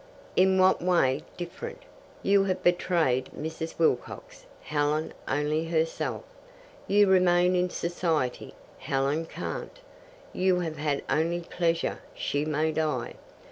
"In what way different? You have betrayed Mrs. Wilcox, Helen only herself. You remain in society, Helen can't. You have had only pleasure, she may die.